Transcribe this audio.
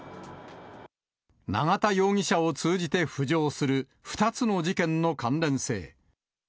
永田容疑者を通じて浮上する２つの事件の関連性。